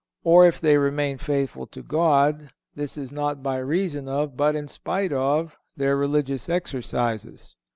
Or, if they remain faithful to God, this is not by reason of, but in spite of, their religious exercises.